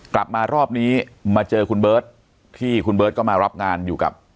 กลับมารอบนี้มาเจอคุณเบิร์ตที่คุณเบิร์ตก็มารับงานอยู่กับ